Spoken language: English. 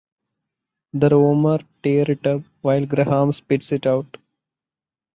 The Rumour tear it up while Graham spits it out.